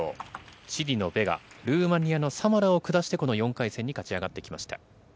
チリのベガ、ルーマニアのサマラを下して、この４回戦に勝ち上がってきました。